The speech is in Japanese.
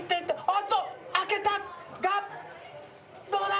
おっと開けたがどうだ？